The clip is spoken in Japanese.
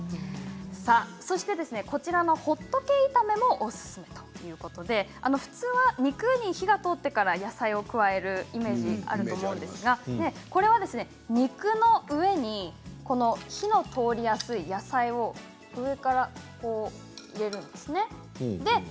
そして、ほっとけ炒めもおすすめということで普通は肉に火が通ってから野菜を加えるイメージがあると思うんですがこれは肉の上に火の通りやすい野菜を上から入れるんですね。